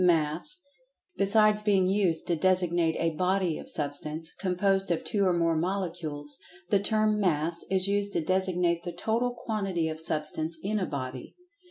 Mass—Besides being used to designate a "body" of Substance, composed of two or more Molecules, the term "Mass" is used to designate the "total quantity of Substance in a Body."